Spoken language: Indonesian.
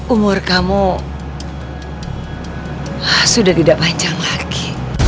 umur kamu sudah tidak panjang lagi